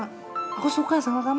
aku juga suka sama kamu